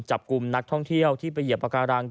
จับกลุ่มนักท่องเที่ยวที่ไปเหยียบปาการัง